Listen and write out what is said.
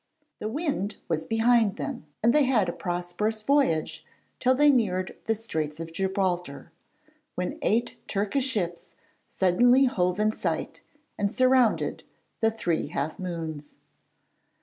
The wind was behind them and they had a prosperous voyage till they neared the Straits of Gibraltar, when eight Turkish ships suddenly hove in sight, and surrounded the 'Three Half Moons.'